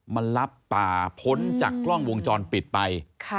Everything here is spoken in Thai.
มันรับตาพ้นจากกล้องวงจรปิดไป